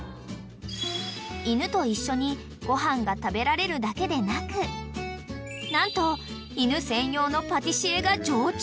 ［犬と一緒にご飯が食べられるだけでなく何と犬専用のパティシエが常駐］